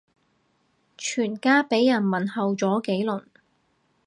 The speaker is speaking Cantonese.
全家俾人問候咗幾轉